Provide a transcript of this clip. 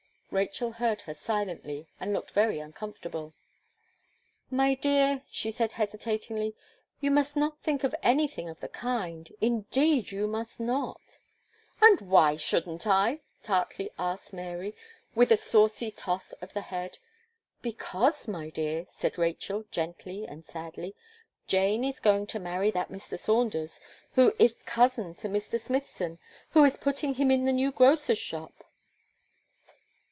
Rachel heard her silently, and looked very uncomfortable. "My dear," she said, hesitatingly, "you must not think of anything of the kind; indeed you must not." "And why shouldn't I?" tartly asked Mary, with a saucy toss of the head. "Because, my dear," said Rachel, gently and sadly, "Jane is going to marry that Mr. Saunders, who ifs cousin to Mr. Smithson, who is putting him in the new grocer's shop."